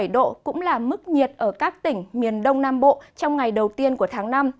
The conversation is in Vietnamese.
ba mươi sáu ba mươi bảy độ cũng là mức nhiệt ở các tỉnh miền đông nam bộ trong ngày đầu tiên của tháng năm